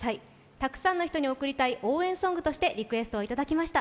たくさんの人に贈りたい応援ソングとしてリクエストをいただきました。